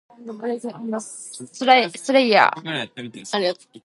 It transferred to the West End, where it opened to universally ecstatic reviews.